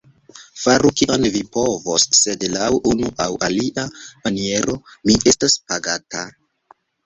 Faru, kion vi povos; sed, laŭ unu aŭ alia maniero, mi estos pagata.